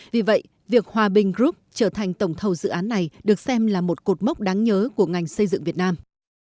vì vậy việc hòa bình group trở thành tổng thầu dự án này được xem là một cột mốc đáng nhớ của ngành xây dựng việt nam